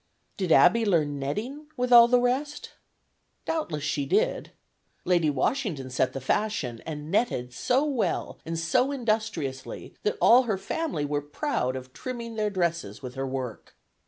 Did Abby learn netting with all the rest? Doubtless she did. Lady Washington set the fashion, and netted so well and so industriously that all her family were proud of trimming their dresses with her work.